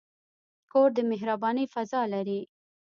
کور د مهربانۍ فضاء لري.